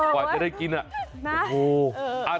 ก่อนจะได้กินอะ